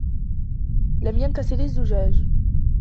لَمْ يَنْكَسِرْ الزُّجاجُ.